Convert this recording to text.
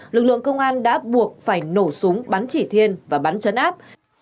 lực lượng công an đã buộc phải nổ súng bắn chỉ thiên và bắn chấn áp